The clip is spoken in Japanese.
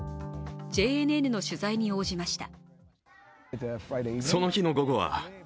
ＪＮＮの取材に応じました。